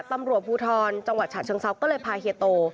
ตำรวจภูทรจังหวัดฉะเชิงเซาก็เลยพาเฮียโต